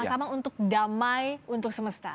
sama sama untuk damai untuk semesta